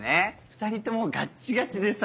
２人ともガッチガチでさ。